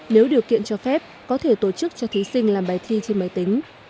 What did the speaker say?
nếu điều kiện cho phép có thể tổ chức cho thí sinh làm bài thi trên máy tính